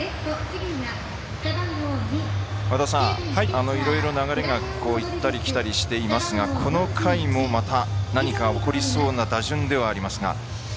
和田さん、流れが行ったり来たりしていますがこの回もまた何か起こりそうな打順ではあります。